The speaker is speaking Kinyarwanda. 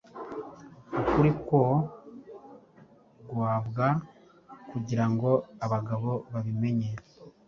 Ukuri kwoe guabwa kugirango abagabo babimenye